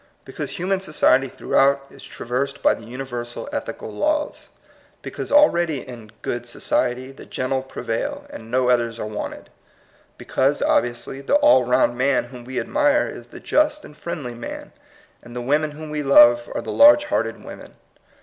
Because human society throughout is trav ersed by the universal ethical laws. Be cause already in "good society" the gentle prevail, and no others are wanted. Be cause, obviously, the all round man whom we admire is the just and friendly man, and the women whom we love are the large hearted women.